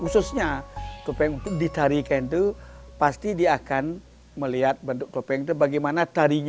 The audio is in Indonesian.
khususnya topeng kita tarikkan itu pasti akan melihat bentuk topengnya bagaimana tarikannya